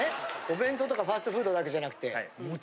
お弁当とかファストフードだけじゃなくて。